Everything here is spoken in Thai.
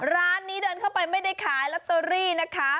ร้านนี้เดินเข้าไปไม่ได้ขายลอตเตอรี่นะคะ